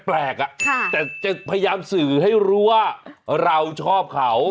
ค่ะแต่จะพยายามสื่อให้รู้ว่าเราชอบเขาฮ่าครับ